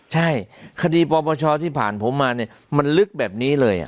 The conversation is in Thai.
ใช่คดีปปชที่ผ่านผมมาเนี่ยมันลึกแบบนี้เลย